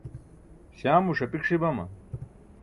śaamo ṣapik ṣi bama?